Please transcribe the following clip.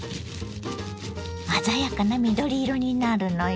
鮮やかな緑色になるのよ。